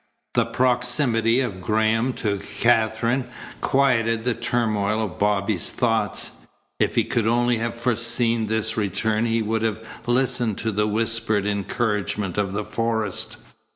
The proximity of Graham to Katherine quieted the turmoil of Bobby's thoughts. If he could only have foreseen this return he would have listened to the whispered encouragement of the forest.